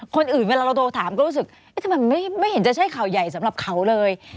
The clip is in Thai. เวลาเราโทรถามก็รู้สึกทำไมไม่เห็นจะใช่ข่าวใหญ่สำหรับเขาเลย